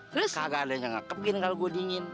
gak ada yang ngekepin kalo gue dingin